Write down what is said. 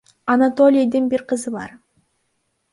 Анатолийдин бир кызы бар.